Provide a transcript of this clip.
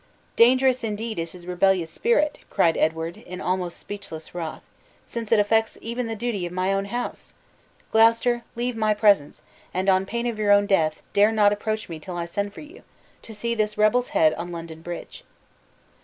"Dangerous indeed is his rebellious spirit," cried Edward, in almost speechless wrath, "since it affects even the duty of my own house! Gloucester, leave my presence, and on pain of your own death, dare not approach me till I send for you, to see this rebel's head on London Bridge!"